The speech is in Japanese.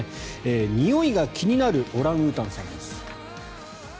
においが気になるオランウータンさんです。